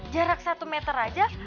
jarak satu meter aja